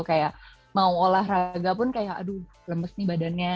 kayak mau olahraga pun kayak aduh lemes nih badannya